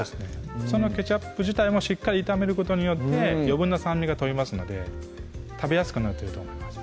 そのケチャップ自体もしっかり炒めることによって余分な酸味が飛びますので食べやすくなってると思います